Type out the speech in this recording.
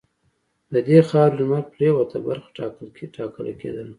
د دې خاورې لمرپرېواته برخه ټاکله کېدله.